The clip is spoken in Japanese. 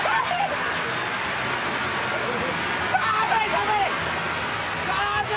寒い！